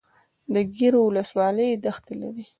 د ګیرو ولسوالۍ دښتې لري